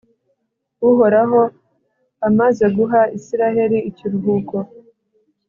uhoraho amaze guha israheli ikiruhuko